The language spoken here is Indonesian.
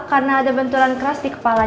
karena ada benturan keras di kepalanya